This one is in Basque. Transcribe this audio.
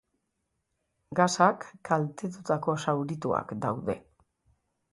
Gasak kaltetutako zaurituak daude.